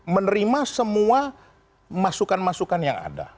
menerima semua masukan masukan yang ada